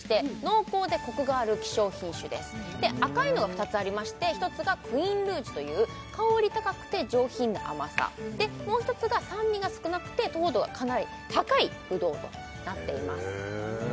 濃厚でコクがある希少品種ですで赤いのが２つありまして１つがクイーンルージュという香り高くて上品な甘さでもう一つが酸味が少なくて糖度がかなり高いぶどうとなっています